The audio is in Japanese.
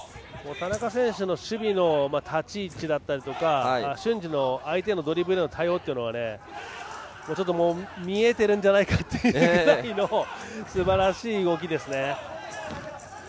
田中選手の守備の立ち位置だったりとか瞬時の相手のドリブルへの対応は見えているんじゃないかというぐらいのすばらしい動きですね。